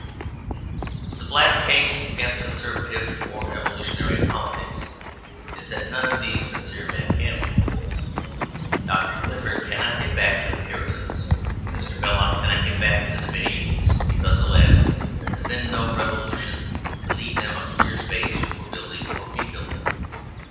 But the black case against Conservative (or Evolutionary) politics is that none of these sincere men can win. Dr. Clifford cannot get back to the Puritans; Mr. Belloc cannot get back to the mediævals; because (alas) there has been no Revolution to leave them a clear space for building or rebuilding.